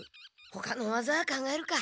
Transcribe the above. ほかのわざ考えるか。